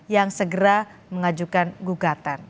yang segera mengajukan gugatan